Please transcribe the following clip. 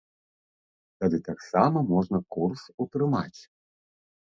Тады таксама можна курс утрымаць.